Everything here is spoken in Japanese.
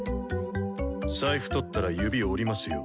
財布盗ったら指折りますよ。